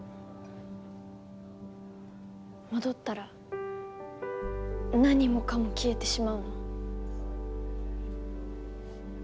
戻ったら何もかも消えてしまうの？